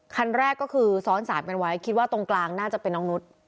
คันแรกก็คือซ้อนสามกันไว้คิดว่าตรงกลางน่าจะเป็นน้องนุษย์